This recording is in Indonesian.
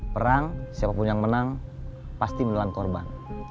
perang siapapun yang menang pasti menelan korban